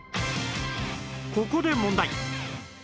ここで問題